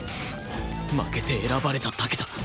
負けて選ばれただけだ